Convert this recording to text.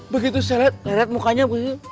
begitu saya liat liat mukanya